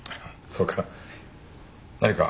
そうか。